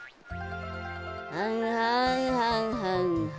はんはんはんはんはん。